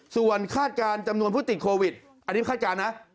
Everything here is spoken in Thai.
ส่วนคาดการณ์จำนวนผู้ติดโควิดอันนี้คาดการณ์นะ